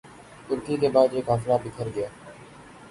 ترکی کے بعد یہ قافلہ بکھر گیا